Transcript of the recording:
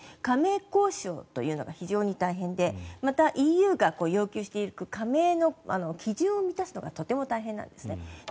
加盟交渉というのが非常に大変でまた、ＥＵが要求している加盟の基準を満たすのがとても大変なんです。